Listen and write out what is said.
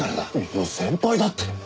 いや先輩だって！